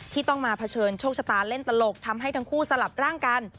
ที่ต้องมาเผชิญโชคชะตาเล่นตลกทำให้ทั้งคู่สลับร่างกัน